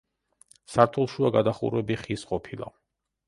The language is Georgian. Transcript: სართულშუა გადახურვები ხის ყოფილა.